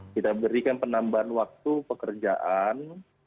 kita berikan penambahan waktu pekerjaan